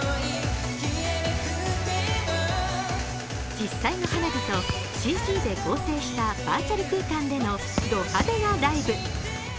実際の花火と、ＣＧで合成したバーチャル空間でのド派手なライブ。